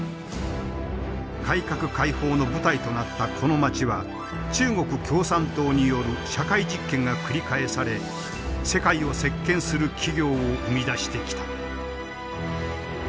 改革開放の舞台となったこの街は中国共産党による社会実験が繰り返され世界を席けんする企業を生み出してきた。